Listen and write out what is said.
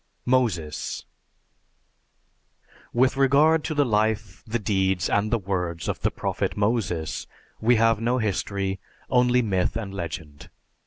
MOSES With regard to the life, the deeds, and the words of the Prophet Moses we have no history; only myth and legend.